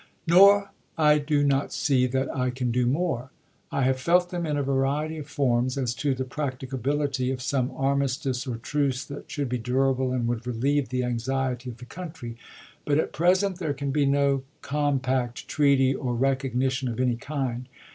Now I do not see that I can do more. I have felt them in a variety of forms as to the practicability of some armistice or truce that should be durable and would relieve the anxiety of the country. But at present there can be no compact, treaty, or recognition of any kind.